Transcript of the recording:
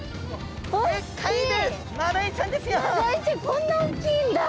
こんな大きいんだ。